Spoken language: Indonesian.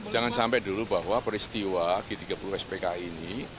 jangan sampai dulu bahwa peristiwa g tiga puluh spki ini